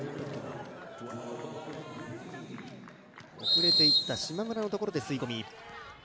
遅れていった島村のところで吸い込み。